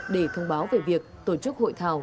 để thông báo về việc tổ chức hội thảo